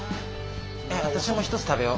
私も１つ食べよう。